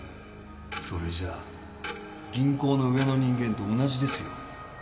それじゃあ銀行の上の人間と同じですよ。